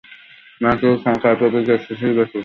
মায়ের চিঠি সংখ্যায় অল্পই, পিতার চিঠিই বেশি।